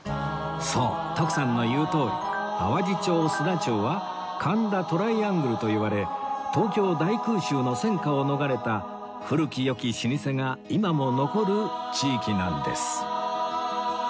そう徳さんの言うとおり淡路町須田町は神田トライアングルといわれ東京大空襲の戦火を逃れた古き良き老舗が今も残る地域なんです